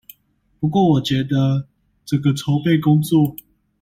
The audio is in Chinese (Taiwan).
不過我覺得，整個籌備工作